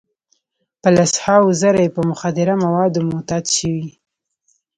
په لس هاوو زره یې په مخدره موادو معتاد شوي.